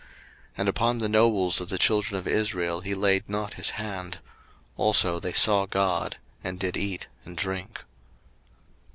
02:024:011 And upon the nobles of the children of Israel he laid not his hand: also they saw God, and did eat and drink.